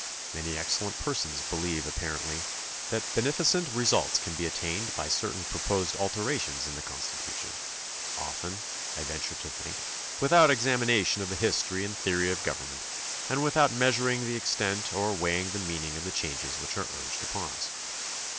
Many excellent persons believe apparently that beneficent results can be at tained by certain proposed alterations in the Constitu tion, often, I venture to think, without examination of the history and theory of government and without measuring the extent or weighing the meaning of the changes which are urged upon us.